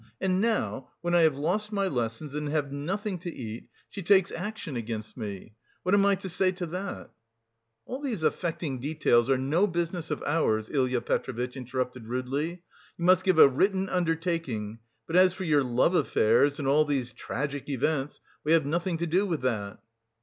and now, when I have lost my lessons and have nothing to eat, she takes action against me. What am I to say to that?" "All these affecting details are no business of ours." Ilya Petrovitch interrupted rudely. "You must give a written undertaking but as for your love affairs and all these tragic events, we have nothing to do with that."